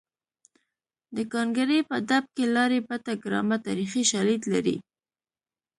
د ګانګړې په ډب کې لاړې بټه ګرامه تاریخي شالید لري